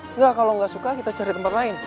enggak kalau nggak suka kita cari tempat lain